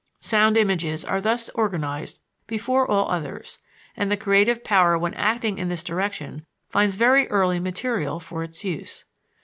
Sound images are thus organized before all others, and the creative power when acting in this direction finds very early material for its use.